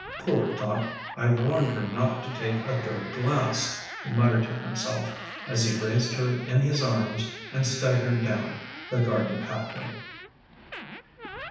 " Poor Dot, I warned her not to take a third glass," he muttered to himself as he raised her in his arms and staggered down the garden pathway.